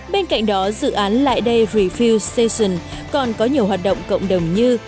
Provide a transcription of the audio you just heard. bên cạnh đó dự án lại đây refuse session còn có nhiều hoạt động cộng đồng như